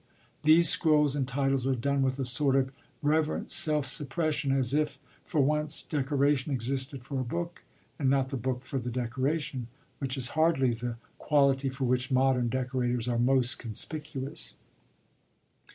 These scrolls and titles are done with a sort of reverent self suppression, as if, for once, decoration existed for a book and not the book for the decoration, which is hardly the quality for which modern decorators are most conspicuous.